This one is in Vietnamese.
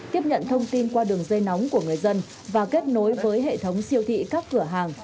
tiếp nhận thông tin qua đường dây nóng của người dân và kết nối với hệ thống siêu thị các cửa hàng